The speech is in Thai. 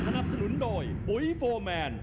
สนับสนุนโดยปุ๋ยโฟร์แมน